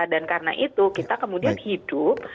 karena itu kita kemudian hidup